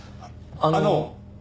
あの。